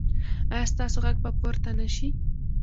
ایا ستاسو غږ به پورته نه شي؟